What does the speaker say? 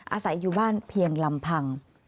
อาศัยอยู่บ้านเพียงลำพัง